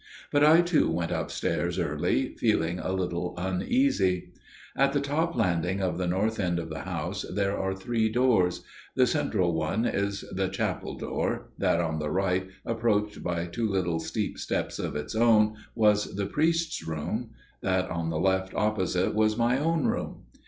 But I too went upstairs early, feeling a little uneasy. On the top landing of the north end of the house there are three doors: the central one is the chapel door; that on the right, approached by two little steep steps of its own, was the priest's room; that on the left opposite was my own room.